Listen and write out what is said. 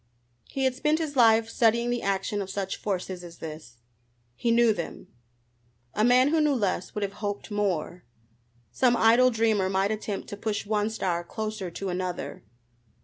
He had spent his life studying the action of such forces as this. He knew them! A man who knew less would have hoped more. Some idle dreamer might attempt to push one star closer to another.